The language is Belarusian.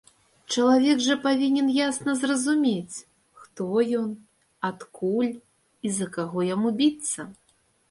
Чалавек жа павінен ясна зразумець, хто ён, адкуль і за каго яму біцца!